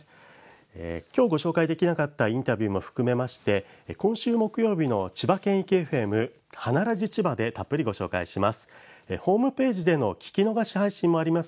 今日ご紹介できなかったインタビューも含めまして今週木曜日の千葉県域ＦＭ「花ラジちば」でたっぷりご紹介します。